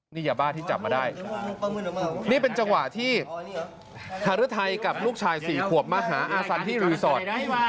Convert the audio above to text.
นี่ยาบ้าที่จับมาได้นี่เป็นจังหวะที่ฮารุทัยกับลูกชาย๔ขวบมาหาอาสันที่รีสอร์ท